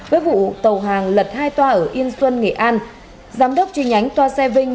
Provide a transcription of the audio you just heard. với vụ tàu hàng lật hai toa ở yên xuân nghệ an giám đốc chi nhánh toa xe vinh